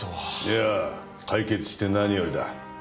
いやあ解決して何よりだ。